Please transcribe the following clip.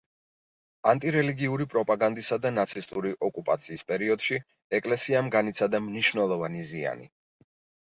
ანტირელიგიური პროპაგანდისა და ნაცისტური ოკუპაციის პერიოდში ეკლესიამ განიცადა მნიშვნელოვანი ზიანი.